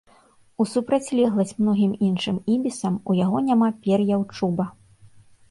У супрацьлегласць многім іншым ібісам ў яго няма пер'яў-чуба.